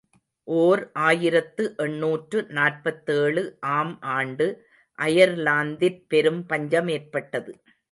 ஓர் ஆயிரத்து எண்ணூற்று நாற்பத்தேழு ஆம் ஆண்டு அயர்லாந்திற் பெரும் பஞ்சமேற்பட்டது.